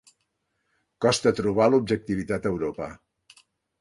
Costa trobar l'objectivitat a Europa.